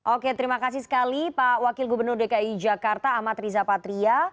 oke terima kasih sekali pak wakil gubernur dki jakarta amat riza patria